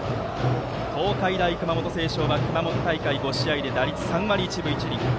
東海大熊本星翔は熊本大会５試合で打率３割３分１厘。